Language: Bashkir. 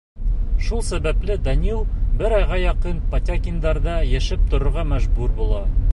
Шул сәбәпле Данил бер айға яҡын Потякиндарҙа йәшәп торорға мәжбүр була.